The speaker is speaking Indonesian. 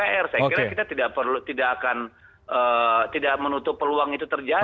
saya kira kita tidak perlu tidak akan tidak menutup peluang itu terjadi